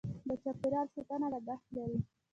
د چاپیریال ساتنه لګښت لري.